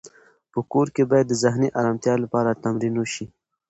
په کور کې باید د ذهني ارامتیا لپاره تمرین وشي.